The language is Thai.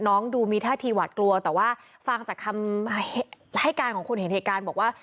ดูมีท่าทีหวาดกลัวแต่ว่าฟังจากคำให้การของคนเห็นเหตุการณ์บอกว่า